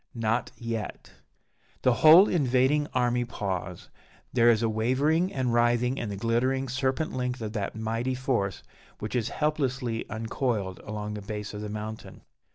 _" "Not yet!" The whole invading army pause: there is a wavering and writhing in the glittering serpent length of that mighty force which is helplessly uncoiled along the base of the mountain.